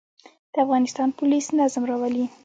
د افغانستان پولیس نظم راولي